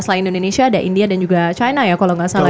selain indonesia ada india dan juga china ya kalau nggak salah